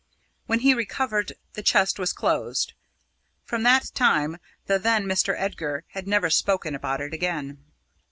When he recovered, the chest was closed. From that time the then Mr. Edgar had never spoken about it again.